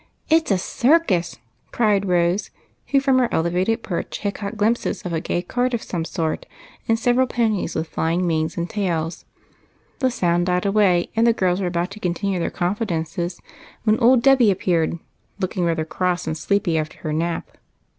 " It 's a circus !" cried Rose, who from her elevated perch had caught glimpses of a gay cart of some sort and several ponies with flying manes and tails. The sound died away, and the girls were about to continue their confidences when old Debby appeared, looking rather cross and sleepy after her nap.